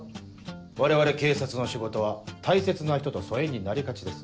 我々警察の仕事は大切な人と疎遠になりがちです。